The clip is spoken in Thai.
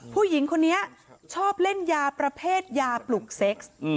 ผู้หญิงคนนี้ชอบเล่นยาประเภทยาปลุกเซ็กซ์